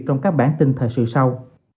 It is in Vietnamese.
trong các bản tin thời sự sau